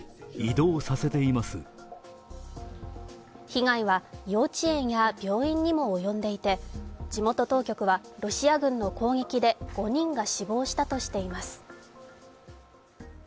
被害は幼稚園や病院にも及んでいて、地元当局はロシア軍の攻撃で５人が死亡したとしています。